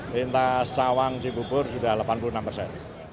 lintas sawang jibubur sudah delapan puluh enam persen